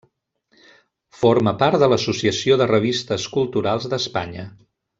Forma part de l'Associació de Revistes Culturals d'Espanya.